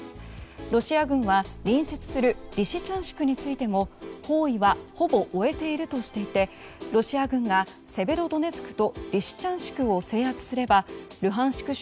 ロシア軍は隣接するリシチャンシクについても包囲はほぼ終えているとしていてロシア軍が、セベロドネツクとリシチャンシクを制圧すればルハンシク